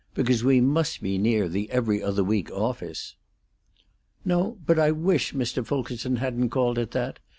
Because we must be near the 'Every Other Week' office." "No; but I wish Mr. Fulkerson hadn't called it that!